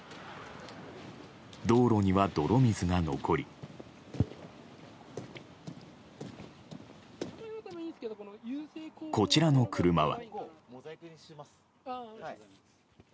道路には泥水が残りこちらの車は。